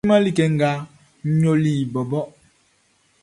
N siman like nga n yoliʼn bɔbɔ.